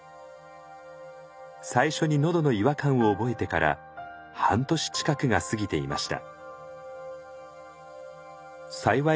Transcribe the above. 最初にのどの違和感を覚えてから半年近くが過ぎていました。